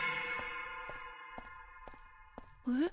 えっ？